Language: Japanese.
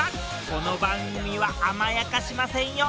この番組は甘やかしませんよ。